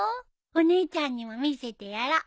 お姉ちゃんにも見せてやろう。